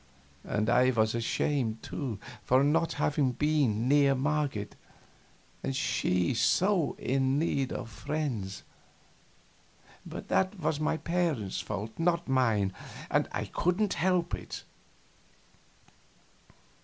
And I was ashamed, too, for not having been near Marget, and she so in need of friends; but that was my parents' fault, not mine, and I couldn't help it.